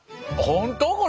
本当？